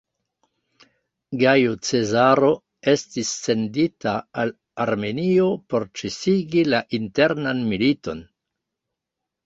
Gajo Cezaro estis sendita al Armenio por ĉesigi la internan militon.